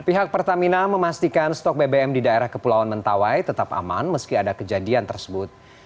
pihak pertamina memastikan stok bbm di daerah kepulauan mentawai tetap aman meski ada kejadian tersebut